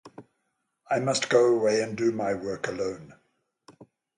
I must go away and do my work alone.